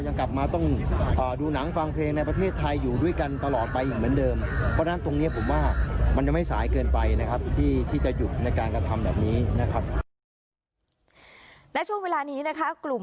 ยังกลับมาต้องดูหนังฟังเพลงในประเทศไทยอยู่ด้วยกันตลอดไปอย่างเหมือนเดิม